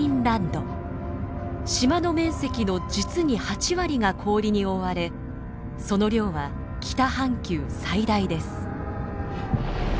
島の面積の実に８割が氷に覆われその量は北半球最大です。